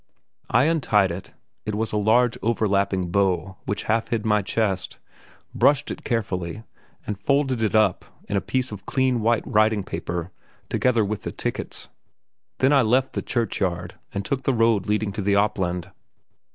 I untied it it was a large overlapping bow which hid half my chest, brushed it carefully, and folded it up in a piece of clean white writing paper, together with the tickets. Then I left the churchyard and took the road leading to the Opland.